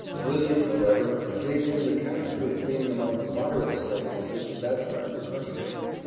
William, however, gave him the character of being among the moderate slave holders of that part of the country.